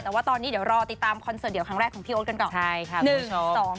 แต่ว่าตอนนี้เดี๋ยวรอติดตามคอนเสิร์ตเดียวครั้งแรกของพี่โอ๊ตกันก่อน